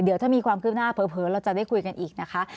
เดี๋ยวถ้ามีความคืบหน้าเผลอเราจะได้คุยกันอีกนะคะ